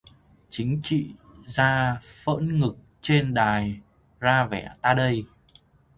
Chính trị gia phỡn ngực trên đài ra vẻ ta đây